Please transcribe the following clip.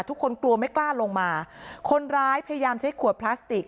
กลัวไม่กล้าลงมาคนร้ายพยายามใช้ขวดพลาสติก